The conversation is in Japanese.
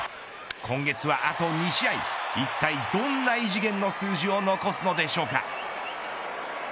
今月はあと２試合いったいどんな異次元の数字を残すのでしょうか。